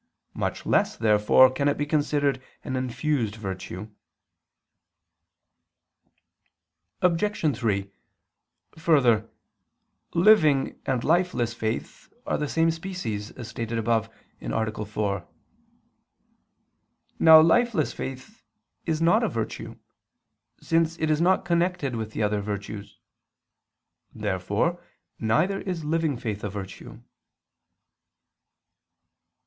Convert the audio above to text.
Much less, therefore, can it be considered an infused virtue. Obj. 3: Further, living and lifeless faith are the same species, as stated above (A. 4). Now lifeless faith is not a virtue, since it is not connected with the other virtues. Therefore neither is living faith a virtue.